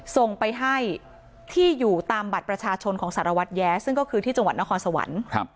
ส่งไปให้ที่อยู่ตามบัตรประชาชนของสารวัตรแย้ซึ่งก็คือที่จังหวัดนครสวรรค์